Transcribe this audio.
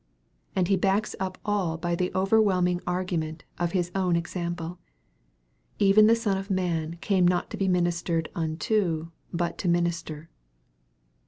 And He backs up all by the overwhelming argument of His own exam ple :" Even the Sou of man came not to be ministered into, but to minister."